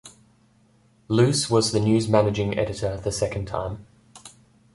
Luce was the News' managing editor the second time.